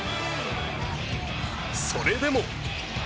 それでも。